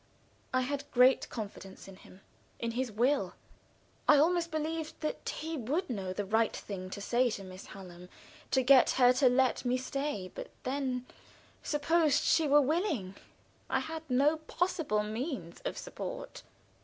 I had great confidence in him in his will. I almost believed that he would know the right thing to say to Miss Hallam to get her to let me stay; but then, suppose she were willing, I had no possible means of support.